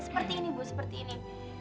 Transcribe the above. seperti ini bu seperti ini